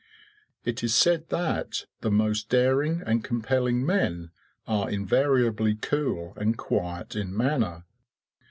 It is said that the most daring and compelling men are invariably cool and quiet in manner.